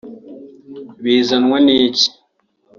Bizanwa n’iki